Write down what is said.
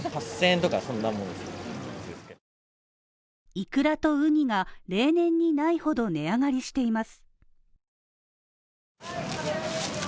イクラとウニが例年にないほど値上がりしています。